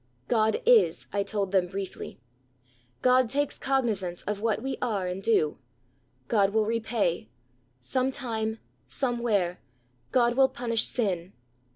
God is, I told them briefly; God takes cognisance of what we are and do: God will repay: some time, somewhere, God will punish sin.